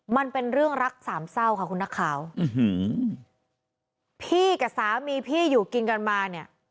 มันเป็นเรื่องรักสามเศร้าค่ะคุณนักข่าวพี่กับสามีพี่อยู่กินกันมาเนี่ย